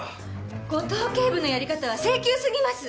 五島警部のやり方は性急すぎます。